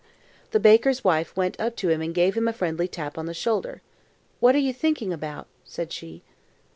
The baker's wife went up to him and gave him a friendly tap on the shoulder. "What are you thinking about?" said she.